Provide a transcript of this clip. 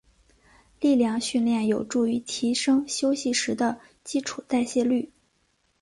力量训练有助于提升休息时的基础代谢率。